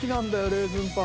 レーズンパン。